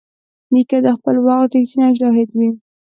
نیکه د خپل وخت رښتینی شاهد وي.